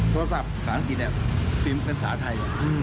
โทรศัพท์ฝั่งกรีดติมเป็นศาลไทย